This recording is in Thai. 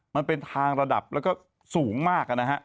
มันเป็นทางระดับแล้วก็สูงมากนะฮะ